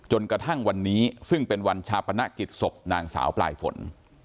จนกระทั่งวันนี้ซึ่งเป็นวันชาปนกิจศพนางสาวปลายฝน